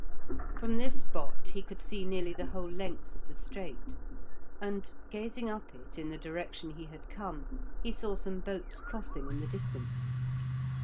From this spot he could see nearly the whole length of the strait, and, gazing up it in the direction he had come, he saw some boats crossing in the distance.